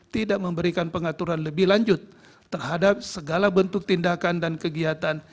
tidak memberikan pengaturan lebih lanjut terhadap segala bentuk tindakan dan kegiatan